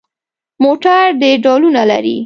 موټر ډېر ډولونه لري.